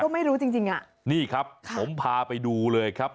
ไม่รู้จริงจริงอ่ะนี่ครับผมพาไปดูเลยครับ